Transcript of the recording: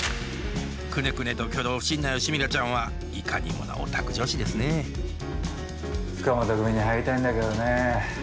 クネクネと挙動不審な吉ミラちゃんはいかにもなオタク女子ですね塚本組に入りたいんだけどねえ。